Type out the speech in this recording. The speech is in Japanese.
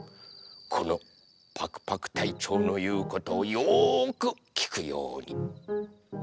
このパクパクたいちょうのいうことをよくきくように。